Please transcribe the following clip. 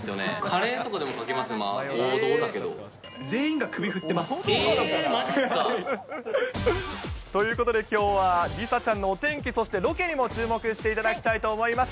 えー、まじっすか。ということで、きょうは梨紗ちゃんのお天気、そしてロケにも注目していただきたいと思います。